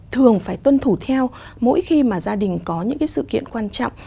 thường phải tuân thủ theo mỗi khi mà gia đình có những sự kiện quan trọng